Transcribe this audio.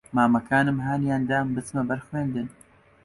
مامەکانم ھانیان دام بچمە بەر خوێندن